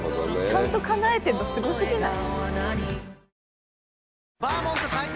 ちゃんとかなえてるのすごすぎない？